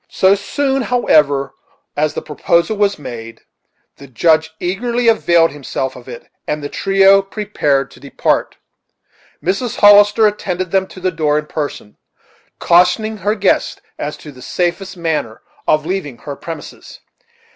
So soon, however, as the proposal was made, the Judge eagerly availed himself of it, and the trio prepared to depart. Mrs. Hollister attended them to the door in person, cautioning her guests as to the safest manner of leaving her premises.